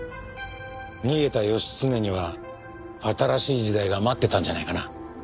逃げた義経には新しい時代が待っていたんじゃないかな。